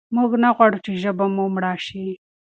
موږ نه غواړو چې ژبه مو مړه شي.